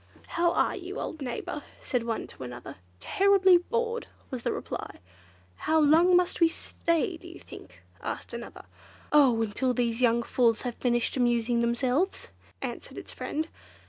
"How are you, old neighbour?" said one to another. "Terribly bored!" was the reply. "How long must we stay, do you think?" asked another. "Oh! until these young fools have finished amusing themselves," answered its friend.